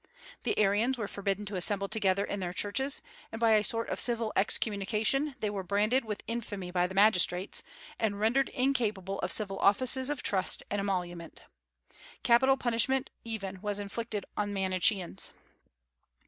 The Arians were forbidden to assemble together in their churches, and by a sort of civil excommunication they were branded with infamy by the magistrates, and rendered incapable of civil offices of trust and emolument. Capital punishment even was inflicted on Manicheans.